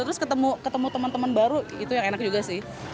terus ketemu teman teman baru itu yang enak juga sih